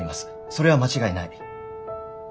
それは間違いない。